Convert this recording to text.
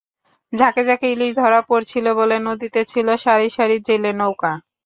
ঝাঁকে ঝাঁকে ইলিশ ধরা পড়ছিল বলে নদীতে ছিল সারি সারি জেলেনৌকা।